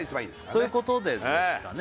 そういうことでですかね